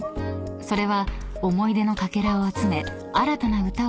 ［それは思い出のかけらを集め新たな歌を紡ぐひととき］